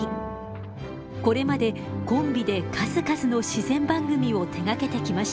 これまでコンビで数々の自然番組を手がけてきました。